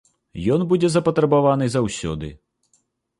Ён будзе запатрабаваны заўсёды.